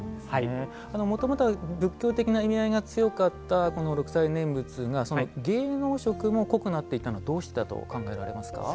もともとは仏教的な意味合いが強かったこの六斎念仏が芸能色も濃くなっていったのどうしてだと考えられますか。